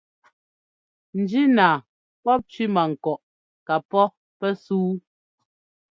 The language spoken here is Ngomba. Njínaa pɔ̂p cẅímankɔʼ kapɔ́ pɛ́súu.